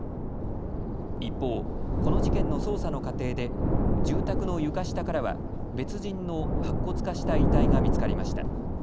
一方、この事件の捜査の過程で住宅の床下からは別人の白骨化した遺体が見つかりました。